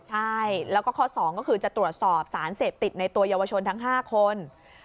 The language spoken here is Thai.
ใช่แล้วก็ข้อ๒ก็คือจะตรวจสอบสารเสพติดในตัวเยาวชนทั้ง๕คน